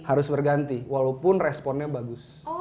harus berganti walaupun responnya bagus